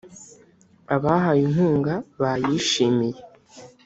Abahawe inkunga bayishimiye